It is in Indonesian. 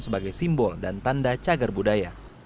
sebagai simbol dan tanda cagar budaya